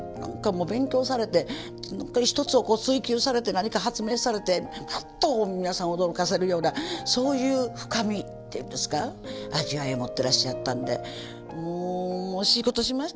勉強されて一つをこう追求されて何か発明されてあっと皆さんを驚かせるようなそういう深みっていうんですか味わいを持ってらっしゃったんでもう惜しいことしました。